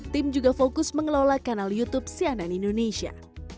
kita juga terus mengelola youtube channel cnn indonesia